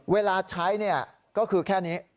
เวลาใช้ก็คือแค่นี้